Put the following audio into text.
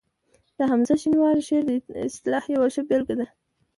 د حمزه شینواري شعر د اصطلاح یوه ښه بېلګه ده